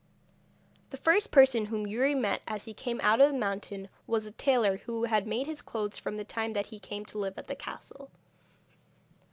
The first person whom Youri met as he came out of the mountain was the tailor who had made all his clothes from the time that he came to live at the castle.